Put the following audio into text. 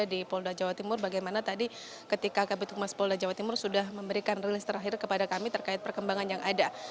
saya berada di polda jawa timur bagaimana tadi ketika kabupaten tumas polda jawa timur sudah memberikan relis terakhir kepada kami terkait perkembangan yang ada